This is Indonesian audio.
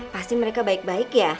pasti mereka baik baik ya